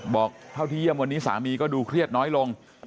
บอกเท่าที่เยี่ยมวันนี้สามีก็ดูเครียดน้อยลง